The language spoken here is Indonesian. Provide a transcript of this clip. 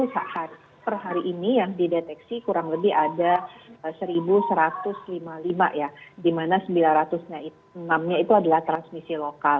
jadi per hari ini yang dideteksi kurang lebih ada seribu satu ratus lima puluh lima ya di mana sembilan ratus enam nya itu adalah transmisi lokal